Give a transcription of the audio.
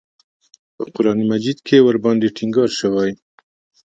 په قران مجید کې ورباندې ټینګار شوی.